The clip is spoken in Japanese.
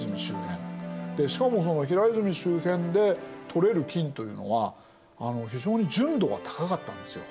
でしかも平泉周辺で採れる金というのは非常に純度が高かったんですよ。